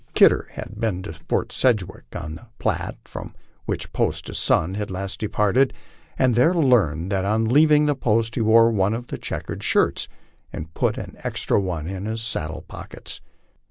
Kidder had been to Fort Sedgwick on the Platte, from which post his son had last departed, and there learned that on leaving the post he wore one of the checked shirts and put an extra one in his saddle pockets.